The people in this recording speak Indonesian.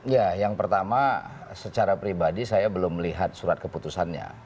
ya yang pertama secara pribadi saya belum melihat surat keputusannya